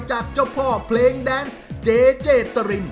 จากเจ้าพ่อเพลงแดนซ์เจเจตริน